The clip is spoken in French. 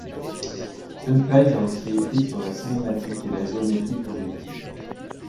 Schoenflies a aussi écrit sur la cinématique et la géométrie projective.